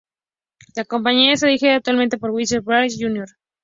La compañía está dirigida actualmente por Wilson Ferreira Junior.